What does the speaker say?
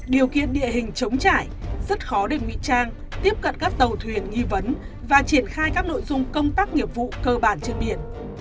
điều kiện địa hình chống trải rất khó để ngụy trang tiếp cận các tàu thuyền nghi vấn và triển khai các nội dung công tác nghiệp vụ cơ bản trên biển